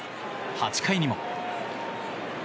８回にも。